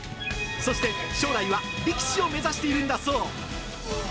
そして将来は力士を目指しているんだそう。